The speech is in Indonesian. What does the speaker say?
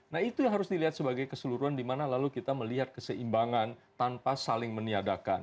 nah itu yang harus dilihat sebagai keseluruhan dimana lalu kita melihat keseimbangan tanpa saling meniadakan